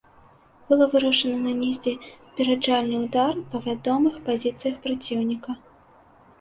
Было вырашана нанесці папераджальны ўдар па вядомых пазіцыях праціўніка.